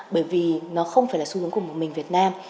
bởi vì nó không phải là xu hướng của một mình việt nam